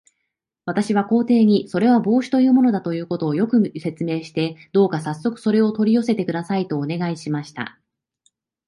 私は皇帝に、それは帽子というものだということを、よく説明して、どうかさっそくそれを取り寄せてください、とお願いしました。